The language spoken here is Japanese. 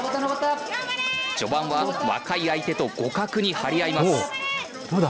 序盤は若い相手と互角に張り合います。